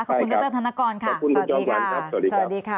ขอบคุณเยอะเติมธนกรสวัสดีค่ะ